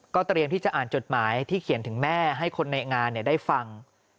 เตรียมที่จะอ่านจดหมายที่เขียนถึงแม่ให้คนในงานได้ฟัง